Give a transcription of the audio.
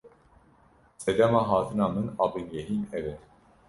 Sedema hatina min a bingehîn ev e.